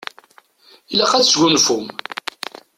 Ilaq ad tesgunfum.